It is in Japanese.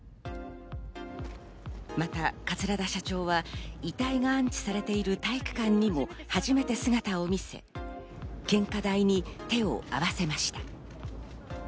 また桂田社長は遺体が安置されている体育館にも初めて姿を見せ、献花台に手を合わせました。